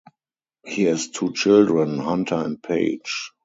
He has two children, Hunter and Paige.